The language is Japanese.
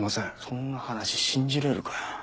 そんな話信じれるかよ。